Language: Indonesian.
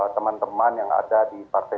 teman teman yang ada di partai